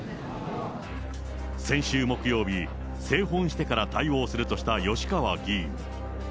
先週木曜日、製本してから対応するとした吉川議員。